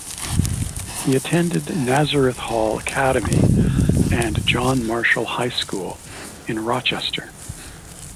He attended Nazareth Hall Academy and John Marshall High School in Rochester.